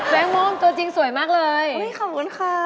ม่อมตัวจริงสวยมากเลยอุ้ยขอบคุณค่ะ